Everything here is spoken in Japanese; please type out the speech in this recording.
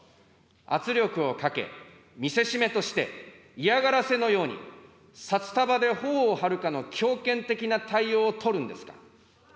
圧力をかけ、見せしめとして、嫌がらせのように、札束でほおを張るかのような強権的な対応を取るんですか。